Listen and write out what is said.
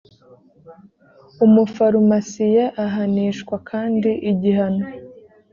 umufarumasiye ahanishwa kandi igihano